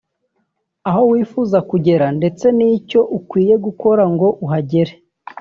aho wifuza kugera ndetse n'icyo ukwige gukora ngo uhagere